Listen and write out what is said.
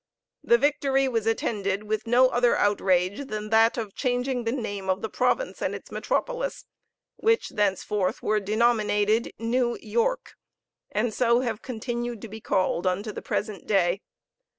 The victory was attended with no other outrage than that of changing the name of the province and its metropolis, which thenceforth were denominated New York, and so have continued to be called unto the present day.